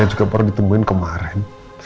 rena juga baru ditemuin kemarin